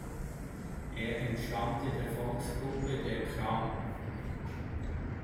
Er entstammte der Volksgruppe der Krahn.